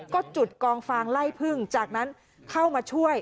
ก็จุดกองฟางไล่พึ่งจากนั้นเข้ามาช่วย